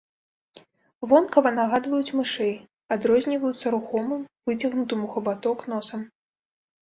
Вонкава нагадваюць мышэй, адрозніваюцца рухомым, выцягнутым у хабаток носам.